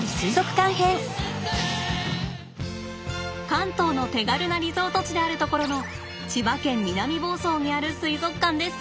関東の手軽なリゾート地であるところの千葉県南房総にある水族館です